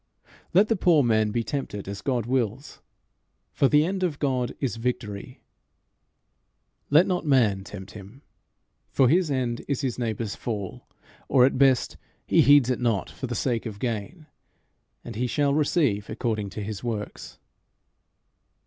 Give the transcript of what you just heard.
Let the poor man be tempted as God wills, for the end of God is victory; let not man tempt him, for his end is his neighbour's fall, or at best he heeds it not for the sake of gain, and he shall receive according to his works.